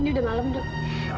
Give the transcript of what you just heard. ini udah malam duk